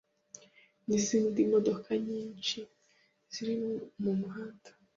n’izindi modoka nyinshi ziri mu muhanda